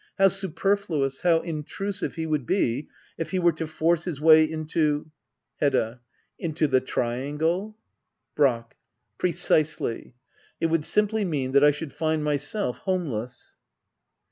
How superfluous, how intrusive, he would be, if he were to force his way into Hedda. into the triangle ? Brack. Precisely. It would simply mean that I should find myself homeless.